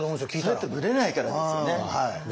それってブレないからですよね。